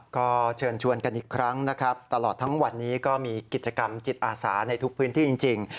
ก็เชิญชวนกันอีกครั้งนะครับตลอดทั้งวันนี้ก็มีกิจกรรมจิตอาสาในทุกพื้นที่จริง